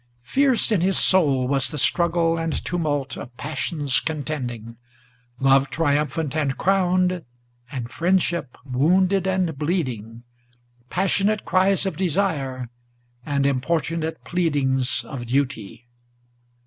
Fierce in his soul was the struggle and tumult of passions contending; Love triumphant and crowned, and friendship wounded and bleeding, Passionate cries of desire, and importunate pleadings of duty!